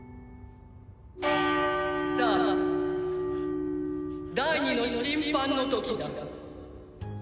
さあ第２の審判の時だ。